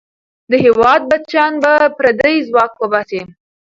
د هېواد بچیان به پردی ځواک وباسي.